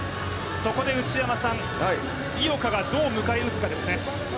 そこで井岡がどう迎え撃つかですね。